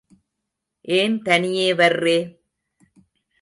ஏன் தனியே வர்ரே?